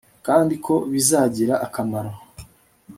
kandi ko bizagira akamaro